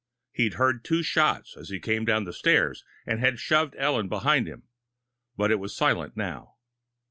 He'd heard two shots as he came down the stairs, and had shoved Ellen behind him. But it was silent now.